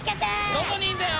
どこにいんだよ？